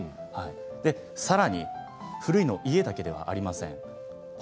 さらに古いのは家だけではありません。